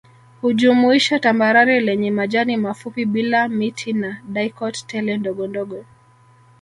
Hujumuisha tambarare lenye majani mafupi bila miti na dicot tele ndogondogo